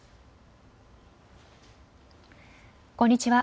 こんにちは。